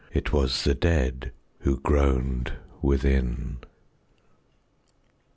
It was the dead who groaned within.